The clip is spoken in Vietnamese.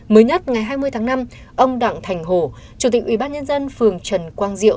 mới nhất ngày hai mươi tháng năm ông đặng thành hồ chủ tịch ubnd phường trần quang diệu